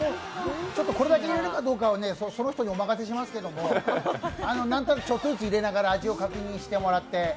これだけ入れるかどうかは、その人にお任せしますけれども何となくちょっとずつ入れながら味を確認してもらって。